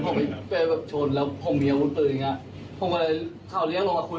ผมไปแปลแบบชนแล้วผมเหลี้ยวลวลปืนอย่างใช่ไหมผมก็เลยเขาเรียกลงมาคุย